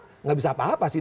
tidak bisa apa apa sih